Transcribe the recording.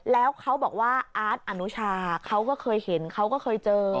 แล้วเขาบอกว่าอาร์ตอนุชาเขาก็เคยเห็นเขาก็เคยเจอ